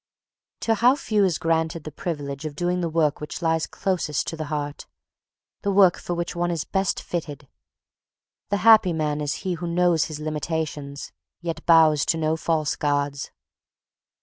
_ To how few is granted the privilege of doing the work which lies closest to the heart, the work for which one is best fitted. The happy man is he who knows his limitations, yet bows to no false gods.